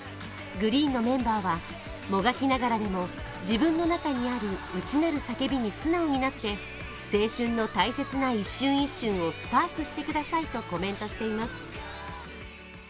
ＧＲｅｅｅｅＮのメンバーは、もがきながらでも自分の中にある内なる叫びに素直になって青春の大切な一瞬一瞬をスパークしてくださいとコメントしています。